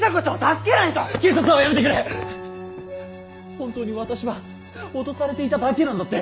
本当に私は脅されていただけなんだって。